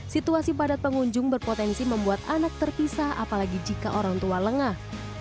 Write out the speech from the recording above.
situasi padat pengunjung berpotensi membuat anak terpisah apalagi jika orang tua lengah